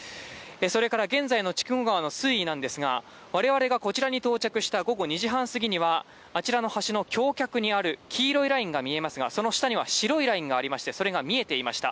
それから現在の筑後川の水位なんですが、我々がこちらに到着した午後２時半すぎには、あちらの橋の橋脚にある黄色いラインが見えますが、その下には白いラインがありまして、それが見えていました。